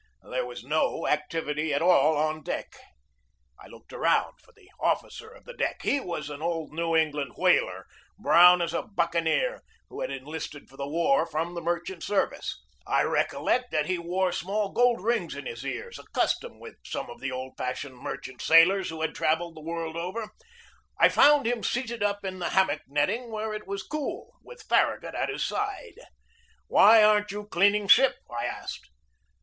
There was no activity at all on deck. I looked around for the officer of the deck. He was an old New England whaler, brown as a buccaneer, who had enlisted for the war from the merchant service. I recollect that he wore small gold rings in his ears, a custom with some of the old fashioned merchant sailors who had travelled the world over. I found him seated up in the hammock netting where it was cool, with Far ragut at his side. "Why aren't you cleaning ship?" I asked.